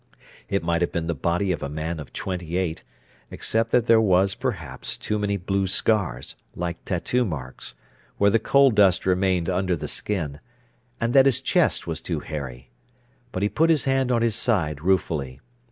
It might have been the body of a man of twenty eight, except that there were, perhaps, too many blue scars, like tattoo marks, where the coal dust remained under the skin, and that his chest was too hairy. But he put his hand on his side ruefully.